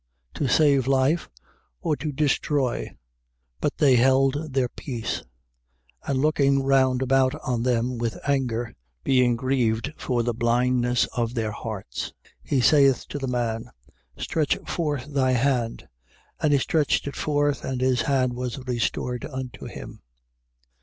To save life, or to destroy? But they held their peace. 3:5. And looking round about on them with anger, being grieved for the blindness of their hearts, he saith to the man: Stretch forth thy hand. And he stretched it forth: and his hand was restored unto him.